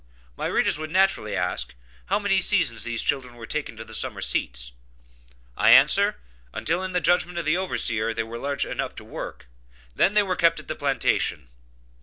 My readers would naturally ask how many seasons these children were taken to the summer seats? I answer, until, in the judgment of the overseer, they were large enough to work; then they were kept at the plantation.